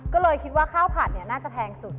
ก็เลยคิดว่าข้าวผัดน่าจะแพงสุด